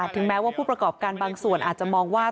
ถึงแม้ว่าผู้ประกอบการบางส่วนอาจจะมองว่า